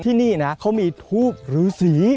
ที่นี่นะเขามีทูบหรือสี